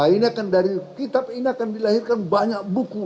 ini akan dari kitab ini akan dilahirkan banyak buku